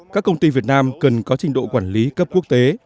các công ty việt nam cần có trình độ quản lý cấp quốc tế